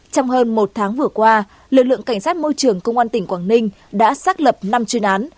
trong hơn một tháng vừa qua lực lượng cảnh sát môi trường công an tỉnh quảng ninh đã xác lập năm chuyên án